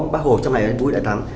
bác hồ trong ngày vui đại thắng